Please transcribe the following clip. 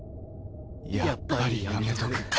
やっぱりやめとく。